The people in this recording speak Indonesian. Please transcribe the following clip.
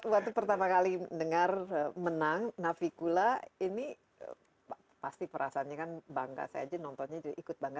waktu pertama kali dengar menang navicula ini pasti perasaannya kan bangga saja nontonnya juga ikut bangga